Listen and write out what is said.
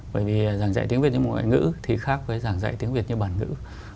bởi vì giảng dạy tiếng việt như một ngoại ngữ thì khác với giảng dạy tiếng việt như bản ngữ